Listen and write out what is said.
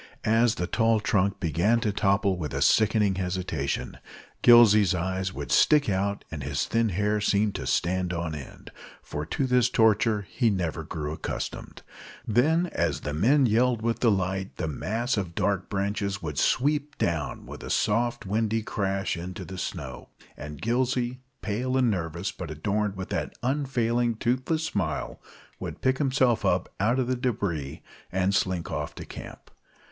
As the tall trunk began to topple with a sickening hesitation, Gillsey's eyes would stick out and his thin hair seem to stand on end, for to this torture he never grew accustomed. Then, as the men yelled with delight, the mass of dark branches would sweep down with a soft, windy crash into the snow, and Gillsey, pale and nervous, but adorned with that unfailing toothless smile, would pick himself out of the débris and slink off to camp.